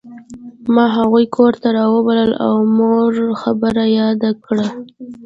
ما هغوی کور ته راوبلل او مور خبره یاده کړه